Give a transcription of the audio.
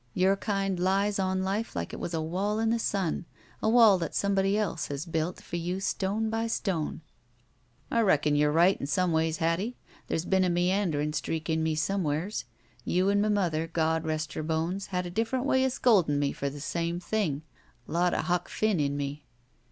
Your kind lies on life like it was a wall in the sun. A wall that somebody else has built for you stone by stone." "I reckon you're right in some ways, Hattie. There's been a meanderin' streak in me somewheres. You and m' mother, God rest her bones, had a diCEerent way of scoldin' me for the same tiling. Lot o' Huck Finn in me."